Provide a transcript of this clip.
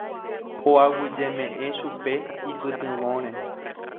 Oaguyjeme'ẽ chupe ipytyvõre.